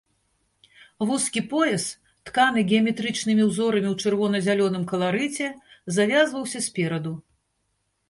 Вузкі пояс, тканы геаметрычнымі ўзорамі ў чырвона-зялёным каларыце, завязваўся спераду.